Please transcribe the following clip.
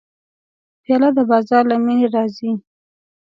پیاله د بازار له مینې راځي.